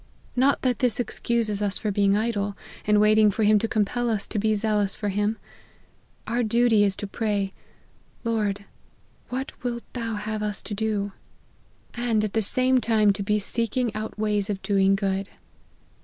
Not that this excuses us for being idle, and waiting for him to compel us to be zealous for him. Our duty is to pray, " Lord, what wilt thou have us to do ?" and at the same time to be seek LIFE OF HENRY MARTYN. 199 ing out ways of doing good.